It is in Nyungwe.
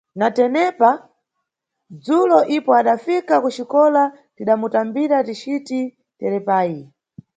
Natepa, dzulo ipo adafika kuxikola tidamutambira ticiti terepayi.